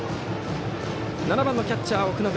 ７番キャッチャー、奥信。